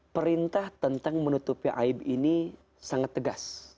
perintah tentang menutupi aib ini sangat tegas